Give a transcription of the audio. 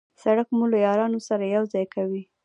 سړک مو له یارانو سره یو ځای کوي.